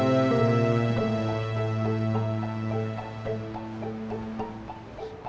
ya allah ya allah ya allah ya allah